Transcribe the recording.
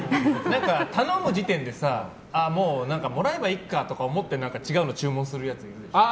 頼む時点でさもらえばいっかとか思って、違うの注文するやつ。